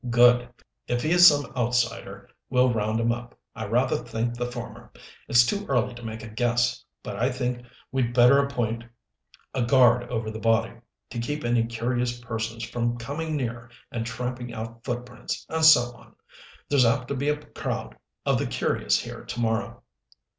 "Good. If he is some outsider, we'll round him up. I rather think the former it's too early to make a guess. But I think we'd better appoint a guard over the body to keep any curious persons from coming near and tramping out footprints, and so on. There's apt to be a crowd of the curious here to morrow."